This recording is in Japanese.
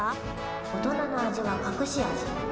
大人の味はかくし味。